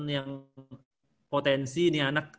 yang potensi nih anak